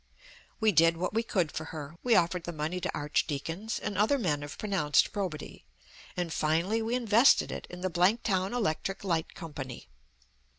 We did what we could for her; we offered the money to archdeacons and other men of pronounced probity; and finally we invested it in the Blanktown Electric Light Company.